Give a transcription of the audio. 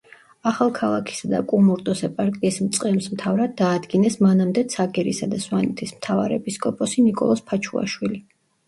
ახალქალაქისა და კუმურდოს ეპარქიის მწყემსმთავრად დაადგინეს მანამდე ცაგერისა და სვანეთის მთავარეპისკოპოსი ნიკოლოზ ფაჩუაშვილი.